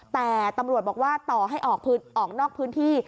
แต่ตำรวจบอกว่าต่อให้ออกนอกพื้นที่